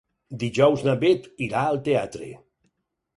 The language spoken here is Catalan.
Dijous na Bet irà al teatre.